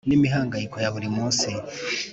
N imihangayiko ya buri munsi